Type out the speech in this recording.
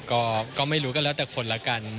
ก็ไม่รู้อยู่ตั้งแต่คนละกัน